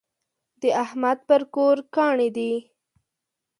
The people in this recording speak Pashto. د احمد پر کور کاڼی دی.